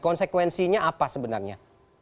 konsekuensinya apa sebenarnya